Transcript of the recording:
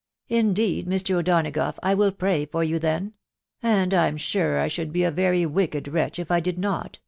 ..." Indeed, Mr. O'Donagough, I will pray for you then, .... and I'm sure I should be a very wicked wretch if I did not